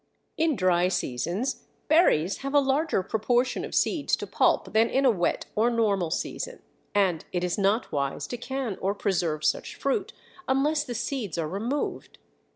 In dry seasons berries have a larger proportion of seeds to pulp than in a wet or normal season, and it is not wise to can or preserve such fruit unless the seeds are removed.